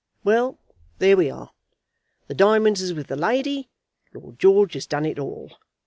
Well, there we are. The diamonds is with the lady. Lord George has done it all.